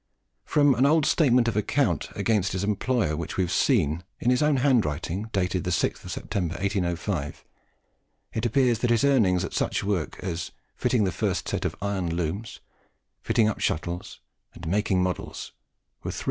From an old statement of account against his employer which we have seen, in his own handwriting, dated the 6th September, 1805, it appears that his earnings at such work as "fitting the first set of iron loames," "fitting up shittles," and "making moddles," were 3s.